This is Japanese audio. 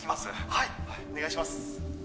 はいお願いします